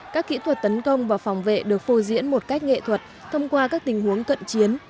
các kỹ thuật tấn công và phòng vệ được phô diễn một cách nghệ thuật thông qua các tình huống cận chiến